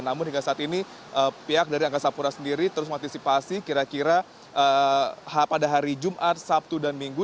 namun hingga saat ini pihak dari angkasa pura sendiri terus mengantisipasi kira kira pada hari jumat sabtu dan minggu